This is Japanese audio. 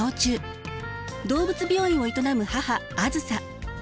動物病院を営む母あづさ。